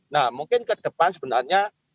nah mungkin ke depan sebenarnya